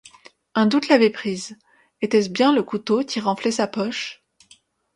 Un doute l'avait prise: était-ce bien le couteau qui renflait sa poche?